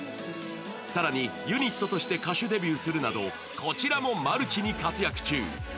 更に、ユニットとして歌手デビューするなどこちらもマルチに活躍中。